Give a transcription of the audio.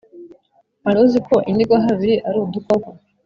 Wari uzi ko inigwahabiri ari udukoko.